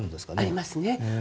ありますね。